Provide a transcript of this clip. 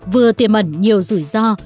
vừa tiềm ẩn nhiều rủi ro